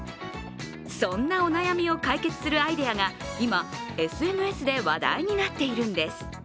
そんなお悩みを解決するアイデアが今、ＳＮＳで話題になっているんです。